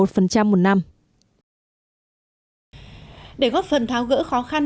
để góp phần tháo gỡ khó khăn